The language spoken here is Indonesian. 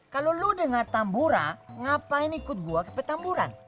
kalau lu dengar tambura ngapain ikut gua ke pentamburan